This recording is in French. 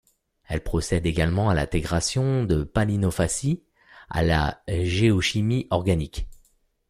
Elle procède également à l'intégration de palynofacies à la géochimie organique.